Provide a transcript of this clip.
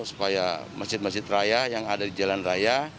supaya masjid masjid raya yang ada di jalan raya